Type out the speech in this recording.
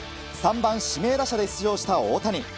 ３番指名打者で出場した大谷。